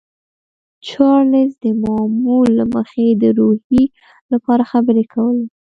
چارلیس د معمول له مخې د روحیې لپاره خبرې کولې